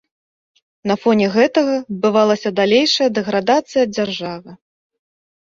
На фоне гэтага адбывалася далейшая дэградацыя дзяржавы.